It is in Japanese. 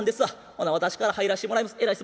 ほな私から入らしてもらいます。